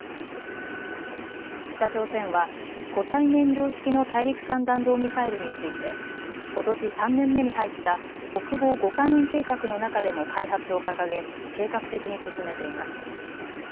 北朝鮮は固体燃料式の大陸間弾道ミサイルについてことし３年目に入った国防５か年計画の中でも開発を掲げ計画的に進めています。